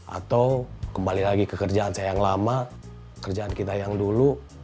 atau kembali lagi ke kerjaan saya yang lama kerjaan kita yang dulu